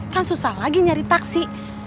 kan susah lagi nyari taksi